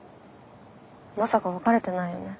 まさか別れてないよね？